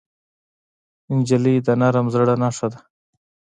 نجلۍ د نرم زړه نښه ده.